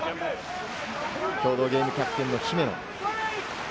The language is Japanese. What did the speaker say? きょうのゲームキャプテンの姫野。